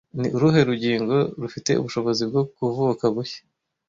Ni uruhe rugingo rufite ubushobozi bwo kuvuka bushya